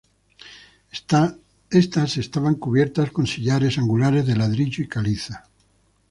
Estas estaban cubiertas con sillares angulares de ladrillo y caliza.